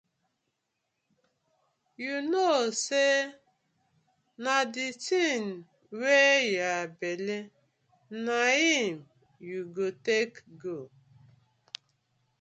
Yu no kno say na di tin wey yah belle na im yu go take go.